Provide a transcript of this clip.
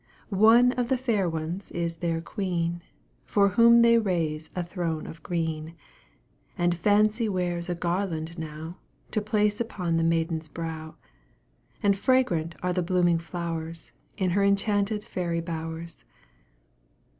One of the fair ones is their queen, For whom they raise a throne of green; And Fancy weaves a garland now, To place upon the maiden's brow; And fragrant are the blooming flowers, In her enchanted fairy bowers.